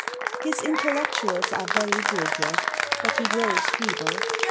] "His intellectuals are very good yet; but he growes feeble.